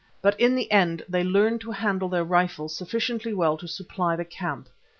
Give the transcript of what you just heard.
But in the end they learned to handle their rifles sufficiently well to supply the camp.